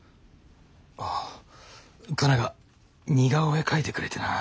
ああカナが似顔絵描いてくれてな。